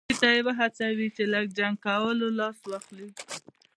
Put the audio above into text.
دې ته یې وهڅوي چې له جنګ کولو لاس واخلي.